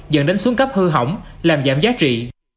dẫn đến xuống cấp hư hỏng làm giảm giá trị